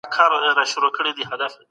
حقایق کله ناکله د شتمنو لخوا پټیږي.